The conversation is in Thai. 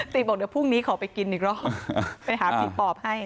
บอกเดี๋ยวพรุ่งนี้ขอไปกินอีกรอบไปหาผีปอบให้